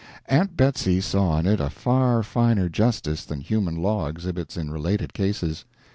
Aunt Betsy saw in it a far finer justice than human law exhibits in related cases.